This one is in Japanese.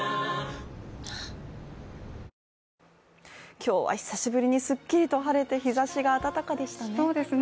今日は久しぶりにすっきりと晴れて日ざしが暖かでしたね。